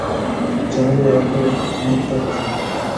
জাকারিয়া একে খানিকটা পছন্দ করেন।